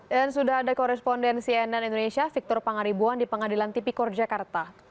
dan sudah ada korespondensi nn indonesia victor pangaribuan di pengadilan tipikor jakarta